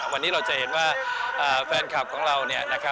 วันนี้เราจะเห็นว่าแฟนคลับของเรา